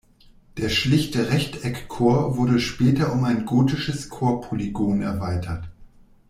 Der schlichte Rechteckchor wurde später um ein gotisches Chorpolygon erweitert.